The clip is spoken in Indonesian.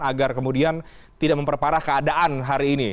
agar kemudian tidak memperparah keadaan hari ini